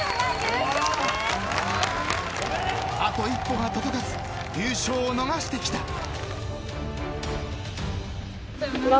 ［あと一歩が届かず優勝を逃してきた］